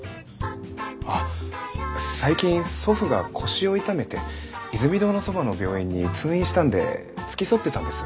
あ最近祖父が腰を痛めてイズミ堂のそばの病院に通院したんで付き添ってたんです。